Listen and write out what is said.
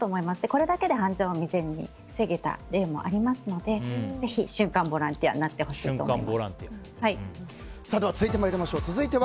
これだけで犯罪を未然に防げた例もありますのでぜひ、瞬間ボランティアになってほしいと思います。